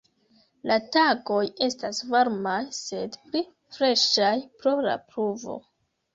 La tagoj estas varmaj, sed pli freŝaj pro la pluvo.